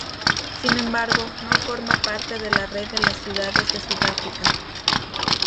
Sin embargo, no forma parte de la Red de las Ciudades de Sudáfrica.